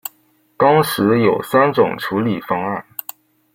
当时有三种处理方案。